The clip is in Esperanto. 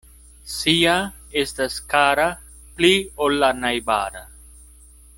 Sia estas kara pli ol la najbara.